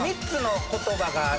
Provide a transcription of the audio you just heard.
３つの言葉が。